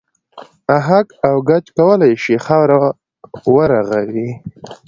اهک او ګچ کولای شي خاوره و رغوي.